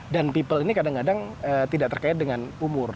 dan people ini kadang kadang tidak terkait dengan umur